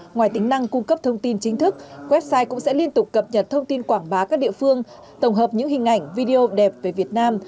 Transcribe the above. ngoài tính năng cung cấp thông tin chính thức website cũng sẽ liên tục cập nhật thông tin quảng bá các địa phương tổng hợp những hình ảnh video đẹp về việt nam